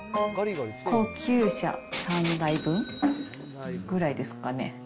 高級車３台分ぐらいですかね。